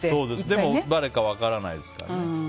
でも誰か分からないですからね。